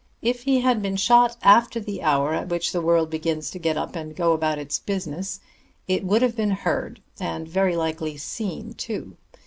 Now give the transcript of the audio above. If he had been shot after the hour at which the world begins to get up and go about its business, it would have been heard and very likely seen, too.